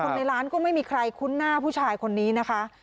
ในร้านก็ไม่มีใครคุ้นหน้าผู้ชายคนนี้นะคะ